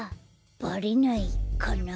バレないかな？